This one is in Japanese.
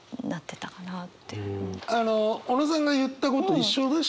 あの小野さんが言ったこと一緒でしたね。